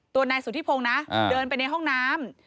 ตัวนายสุธิพงศ์นะเดินไปในห้องน้ำ